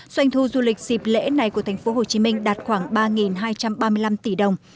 doanh thu du lịch dịp lễ này của tp hcm đạt khoảng ba hai trăm ba mươi năm tỷ đồng